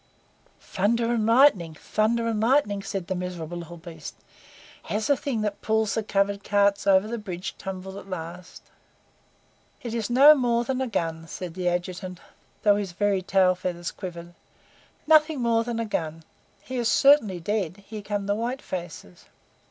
"Thunder and lightning! Lightning and thunder!" said that miserable little beast. "Has the thing that pulls the covered carts over the bridge tumbled at last?" "It is no more than a gun," said the Adjutant, though his very tail feathers quivered. "Nothing more than a gun. He is certainly dead. Here come the white faces."